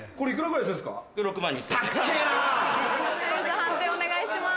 判定お願いします。